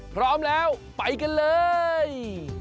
พร้อมแล้วไปกันเลย